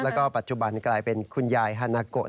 แล้วก็ปัจจุบันกลายเป็นคุณยายฮานาโกะ